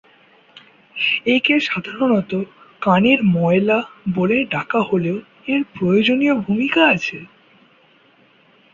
একে সাধারণতঃ "কানের ময়লা" বলে ডাকা হলেও এর প্রয়োজীয় ভুমিকা আছে।